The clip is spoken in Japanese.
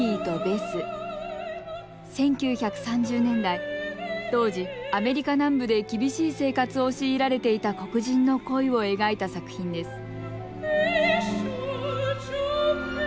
１９３０年代当時アメリカ南部で厳しい生活を強いられていた黒人の恋を描いた作品です